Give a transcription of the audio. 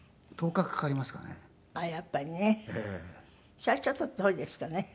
それはちょっと遠いですかね。